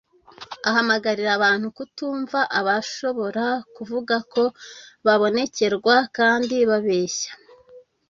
ahamagarira abantu kutumva abashobora kuvuga ko babonekerwa kandi babeshya